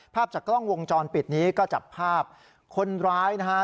ภาพจากกล้องวงจรปิดนี้ก็จับภาพคนร้ายนะฮะ